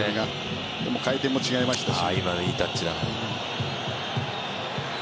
回転も違いましたし。